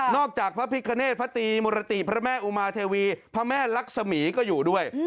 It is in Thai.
จากพระพิคเนธพระตรีมุรติพระแม่อุมาเทวีพระแม่ลักษมีก็อยู่ด้วย